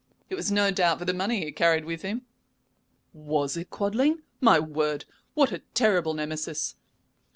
It was no doubt for the money he carried with him." "Was it Quadling? My word! what a terrible Nemesis.